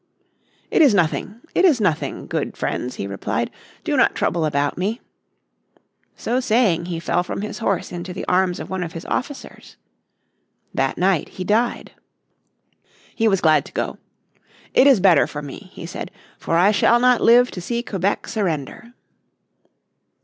"It is nothing, it is nothing, good friends," he replied. "Do not trouble about me." So saying he fell from his horse into the arms of one of his officers. That night he died. He was glad to go. "It is better for me," he said, "for I shall not live to see Quebec surrender."